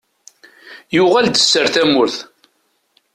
Yuɣal-d sser tamurt!